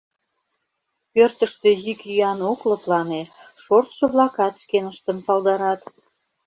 Пӧртыштӧ йӱк-йӱан ок лыплане, шортшо-влакат шкеныштым палдарат.